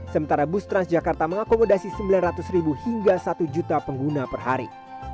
sementara bus transjakarta mengakomodasi sembilan ratus ribu hingga satu juta pengguna per hari